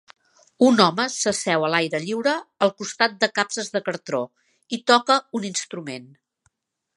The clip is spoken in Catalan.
Un home s'asseu a l'aire lliure al costat de capses de cartó i toca un instrument.